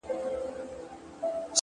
• ظلم په محکمه کي ,